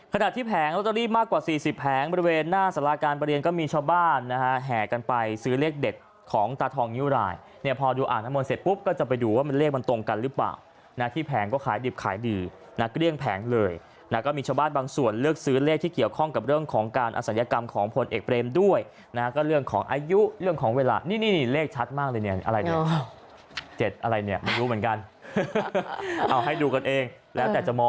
ขนาดที่แผงเราจะรีบมากกว่า๔๐แผงบริเวณหน้าสาราการประเรียนก็มีชาวบ้านนะฮะแห่กันไปซื้อเลขเด็ดของตาทองนิ้วรายเนี่ยพอดูอ่านอ่านมนต์เสร็จปุ๊บก็จะไปดูว่ามันเลขมันตรงกันหรือเปล่านะที่แผงก็ขายดิบขายดีนะก็เรียกแผงเลยนะก็มีชาวบ้านบางส่วนเลือกซื้อเลขที่เกี่ยวข้องกับเรื่องของการอาศั